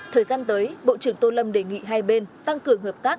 thời gian tới bộ trưởng tô lâm đề nghị hai bên tăng cường hợp tác